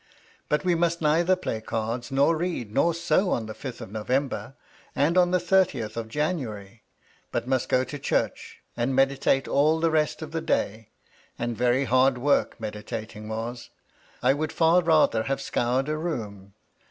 But we must neither play cards, nor read, nor sew on the fifth of November and on the thirtieth of January, but must go to church, and meditate all the rest of the day — ^and very hard work meditating was. I would far rather have scoured a room.